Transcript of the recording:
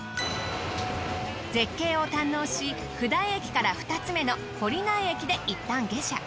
絶景を堪能し普代駅から２つ目の堀内駅でいったん下車。